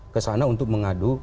ke sana untuk mengadu